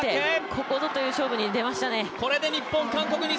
ここぞという勝負に勝ちましたね。